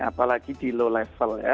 apalagi di low level ya